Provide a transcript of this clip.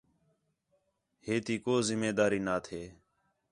ہے تی کُو ذِمہ داری نا تھے